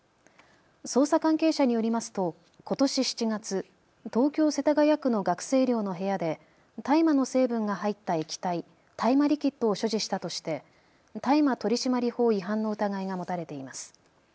捜査関係者によりますとことし７月、東京世田谷区の学生寮の部屋で大麻の成分が入った液体、大麻リキッドを所持したとして大麻取締法違反の疑いが持たれています。